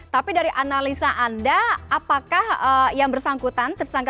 tapi dari analisa anda apakah yang bersangkutan tersangka